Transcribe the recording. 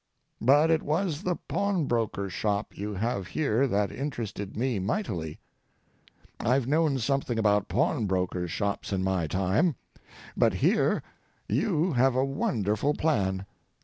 But it was the pawnbroker's shop you have here that interested me mightily. I've known something about pawnbrokers' shops in my time, but here you have a wonderful plan.